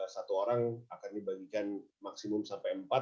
satu orang akan dibagikan maksimum sampai empat